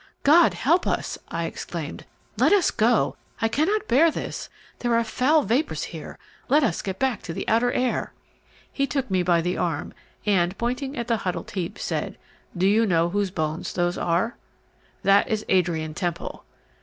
"God help us!" I exclaimed, "let us go. I cannot bear this; there are foul vapours here; let us get back to the outer air." He took me by the arm, and pointing at the huddled heap, said, "Do you know whose bones those are? That is Adrian Temple.